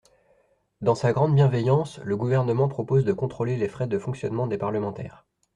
Dans sa grande bienveillance, le Gouvernement propose de contrôler les frais de fonctionnement des parlementaires.